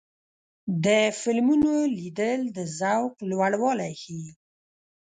د فلمونو لیدل د ذوق لوړوالی ښيي.